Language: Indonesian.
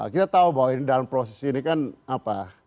kita tahu bahwa ini dalam proses ini kan apa